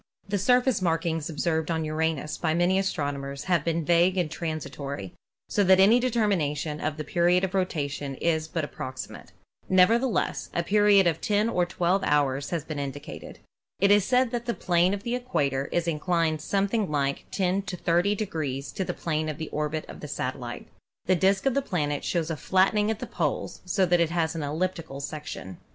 The surface markings observed on Uranus by many astronomers have been vague and transitory, so that any determination of the period of rotation is but approxi mate. Nevertheless, a period of 10 or 12 hours has been indicated. It is stated that the plane of the equator is inclined something like 10 to 30 degrees to the plane of the orbit of the satellite. The disk of the planet shows a flat tening at the poles, so that it has an elliptical section.